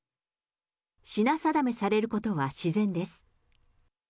品定めされることは自然です。